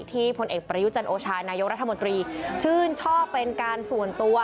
พลเอกประยุจันโอชานายกรัฐมนตรีชื่นชอบเป็นการส่วนตัว